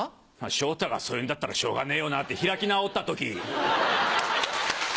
昇太がそう言うんだったらしょうがねえよなって開き直った時。